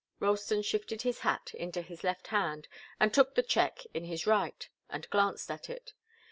Ralston shifted his hat into his left hand and took the cheque in his right, and glanced at it.